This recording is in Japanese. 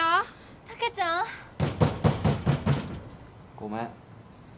・ごめん。